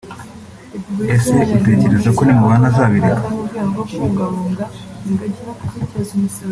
Ese utekereza ko nimubana azabireka